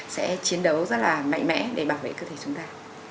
sẽ chiến đấu rất là mạnh mẽ để bảo vệ cơ thể chúng ta